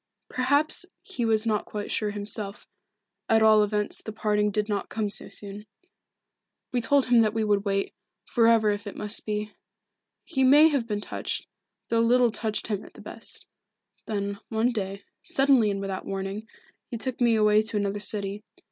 Perhaps he was not quite sure himself, at all events the parting did not come so soon. We told him that we would wait, for ever if it must be. He may have been touched, though little touched him at the best. Then, one day, suddenly and without warning, he took me away to another city.